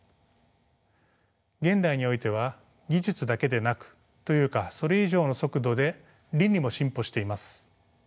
現代においては技術だけでなくというかそれ以上の速度で倫理も進歩しています。